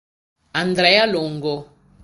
Andrea Longo